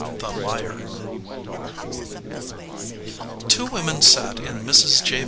THE LIAR TWO women sat in Mrs. J.